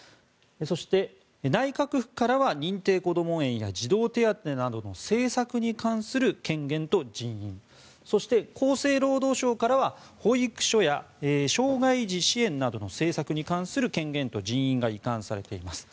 そして、内閣府からは認定こども園や児童手当などの政策に関する権限と人員そして、厚生労働省からは保育所や障害児支援などの政策に関する権限と人員が移管されています。